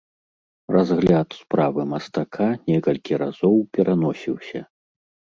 Разгляд справы мастака некалькі разоў пераносіўся.